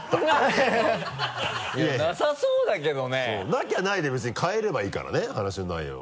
なきゃないで別に変えればいいからね話の内容を。